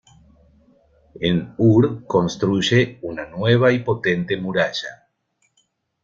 En Ur construye una nueva y potente muralla.